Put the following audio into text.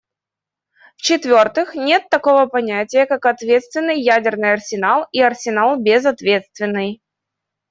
В-четвертых, нет такого понятия, как ответственный ядерный арсенал и арсенал безответственный.